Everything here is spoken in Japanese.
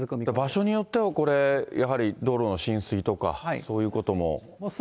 場所によっては、やはり道路の浸水とか、そういうこともあります